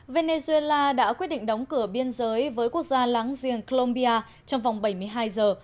venezuela đã quyết định đóng cửa biên giới với quốc gia láng giềng colombia trong vòng bảy mươi hai giờ